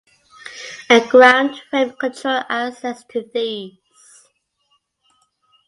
A ground frame controlled access to these.